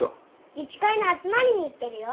自治会の集まりに行ってるよ。